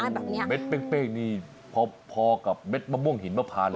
เม็ดเป้งนี่พอกับเม็ดมะม่วงหินมะพาน